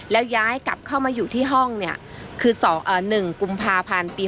แล้วย้ายกลับเข้ามาอยู่ที่ห้องเนี่ยคือ๑กุมภาพันธ์ปี๒๕